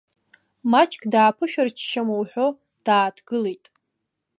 Маҷк дааԥышәарччама уҳәо, дааҭгылеит.